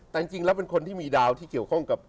แต่จริงแล้วเป็นคนที่มีดาวที่เกี่ยวข้องกับ